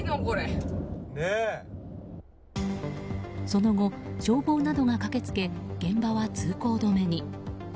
その後、消防などが駆けつけ現場は通行止めに。